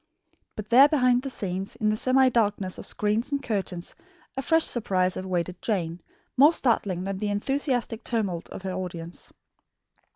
But there, behind the scenes, in the semi darkness of screens and curtains, a fresh surprise awaited Jane, more startling than the enthusiastic tumult of her audience.